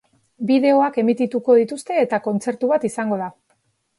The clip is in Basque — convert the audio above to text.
Bideoak emitituko dituzte eta kontzertu bat izango da.